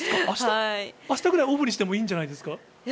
明日くらいオフにしてもいいんじゃないですか？